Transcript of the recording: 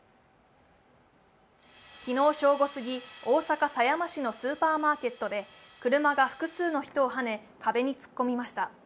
昨日正午過ぎ、大阪府狭山市のスーパーマーケットで車が複数の人をはね壁に突っ込みました。